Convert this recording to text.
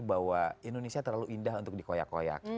bahwa indonesia terlalu indah untuk dikoyak koyak